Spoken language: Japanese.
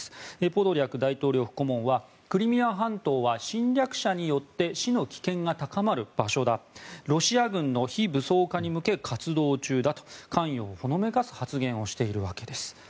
ポドリャク大統領府顧問はクリミア半島は侵略者によって死の危険が高まる場所だロシア軍の非武装化に向け活動中だと関与をほのめかす発言をしているわけです。